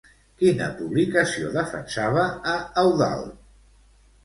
Quina publicació defensava a Eudald?